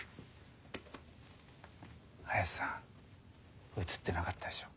林さん映ってなかったでしょ。